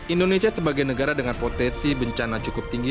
indonesia sebagai negara dengan potensi bencana cukup tinggi